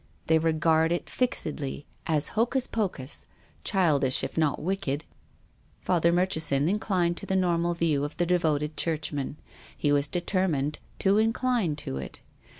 They regard it fixedly as hocus pocus, childish if not wicked. Father Murchison inclined to the normal view of the devoted churchman. He was determined to incline to it.